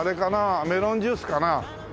メロンジュースかな？